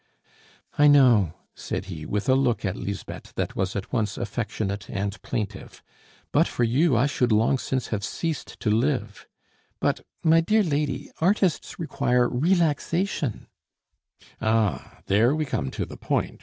"I know," said he, with a look at Lisbeth that was at once affectionate and plaintive, "but for you I should long since have ceased to live. But, my dear lady, artists require relaxation " "Ah! there we come to the point!"